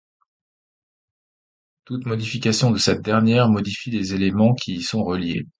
Toute modification de cette dernière modifie les éléments qui y sont reliés.